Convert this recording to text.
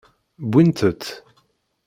Wwint-t.